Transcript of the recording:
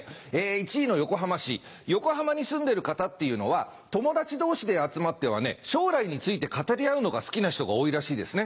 １位の横浜市横浜に住んでる方っていうのは友達同士で集まっては将来について語り合うのが好きな人が多いらしいですね。